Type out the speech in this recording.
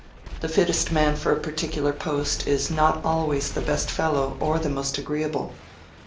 The fittest man for a particular post is not always the best fellow or the most agreeable.